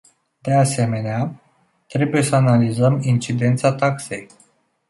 De asemenea, trebuie să analizăm incidența taxei.